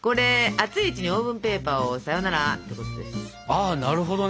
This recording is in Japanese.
あなるほどね。